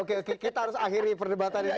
oke oke kita harus akhiri perdebatannya